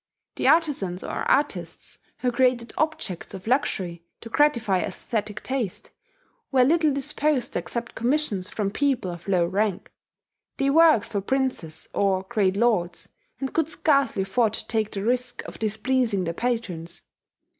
The artizans or artists who created objects of luxury, to gratify aesthetic taste, were little disposed to accept commissions from people of low rank: they worked for princes, or great lords, and could scarcely afford to take the risk of displeasing their patrons.